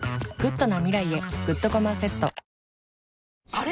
あれ？